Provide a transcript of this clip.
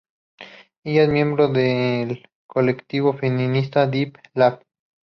Ella es miembro del colectivo feminista Deep Lab.